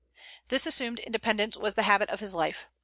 This assumed independence was the habit of his life.